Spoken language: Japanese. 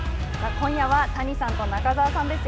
今夜は谷さんと中澤さんです。